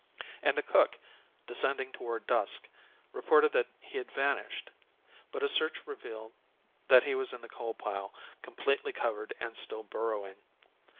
And the cook, descending toward dusk, reported that he had vanished; but a search revealed that he was in the coal pile, completely covered and still burrowing.